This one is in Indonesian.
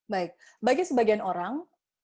baik bagi sebagian orang